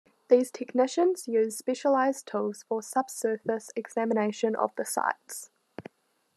These technicians use specialized tools for subsurface examination of the sites.